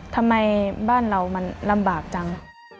ทำไมบ้านเรามันลำบากจัง